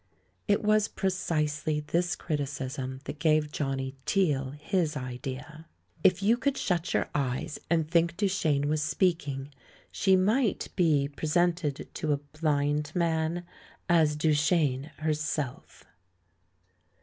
It was precisely this criticism that gave John ny Teale his idea. If you could shut your eyes and think Duchene was speaking, she might be presented to a blind man as Duchene herself.